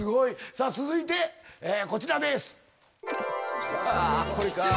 さあ続いてこちらです。